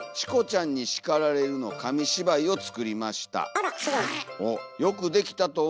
あらすごい。